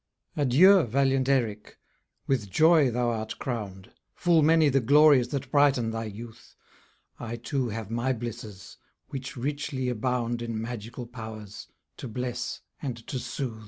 Adieu, valiant Eric! with joy thou art crown'd; Full many the glories that brighten thy youth, I too have my blisses, which richly abound In magical powers, to bless and to sooth.